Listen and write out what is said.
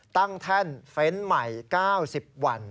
ตั้งแท่นเฟ้นใหม่๙๐วัน